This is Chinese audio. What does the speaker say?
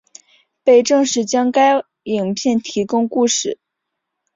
被证实将为该片提供故事。